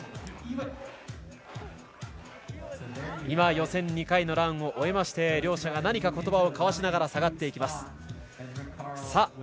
今、予選２回のランを終えまして両者が何か言葉を交わしながら下がっていきました。